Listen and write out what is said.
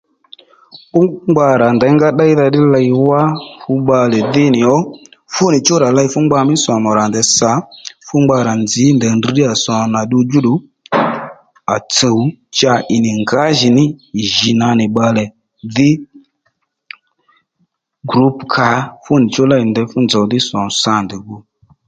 Fú ngba rà ndèyngá fú ddeydha ddí ley wá fú bbalè dhí nì ó fú nì chú rà ley fú ngba mí somù rà ndèy sà fúngba rà nzǐ ndèy ndrr ddíyà somù nà ddu djú ddu à tsùw cha ì nì ngǎjìní ì jì nà nì bbalè dhí group kǎ fú nì chú ley nì ndey fú nzòw dhí somu sa nì ndèy gu